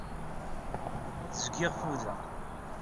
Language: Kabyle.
Zgiɣ ffudeɣ.